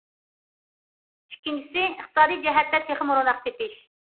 ئىككىنچىسى، ئىقتىسادى جەھەتتە تېخىمۇ روناق تېپىش.